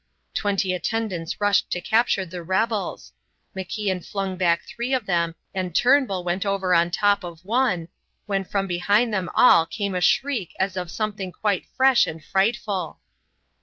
Twenty attendants rushed to capture the rebels; MacIan flung back three of them and Turnbull went over on top of one, when from behind them all came a shriek as of something quite fresh and frightful.